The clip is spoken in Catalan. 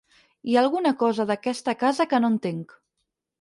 Hi ha alguna cosa d'aquesta casa que no entenc.